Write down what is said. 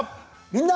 「みんな！